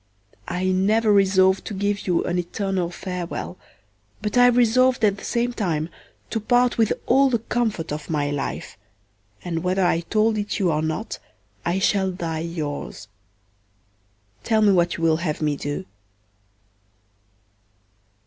I never resolv'd to give you an eternal farewell, but I resolv'd at the same time to part with all the comfort of my life, and whether I told it you or not I shall die yours. Tell me what you will have me do.